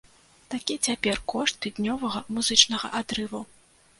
Такі цяпер кошт тыднёвага музычнага адрыву.